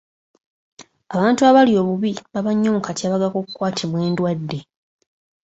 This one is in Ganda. Abantu abalya obubi baba nnyo mu katyabaga k'okukwatibwa endwadde.